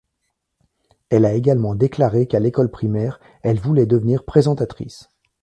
Elle a également déclaré qu'à l'école primaire, elle voulait devenir présentatrice.